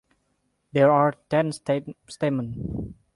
There are ten stamens.